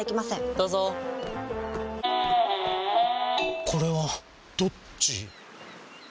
どうぞこれはどっち？